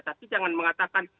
tapi jangan mengatakan